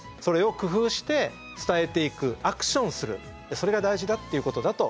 それが大事だっていうことだと。